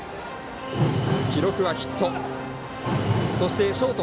記録はヒット。